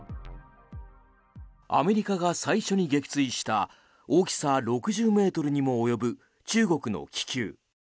アメリカが最初に撃墜した大きさ６０ｍにも及ぶ中国の気球。